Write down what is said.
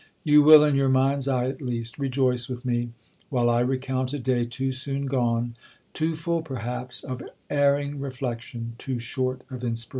You will (in your mind's eye at least) rejoice with me, while I recount a day too soon gone, too full perhaps of erring reflection, too short of inspiration.